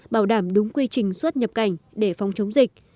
bảo đảm đúng quy trình xuất nhập cảnh để phòng chống dịch